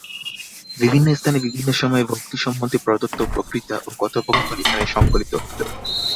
বিভিন্ন স্থানে বিভিন্ন সময়ে ভক্তি সম্বন্ধে প্রদত্ত বক্তৃতা ও কথোপকথন এখানে সংকলিত হইল।